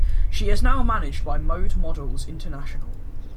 She is now managed by Mode Models International.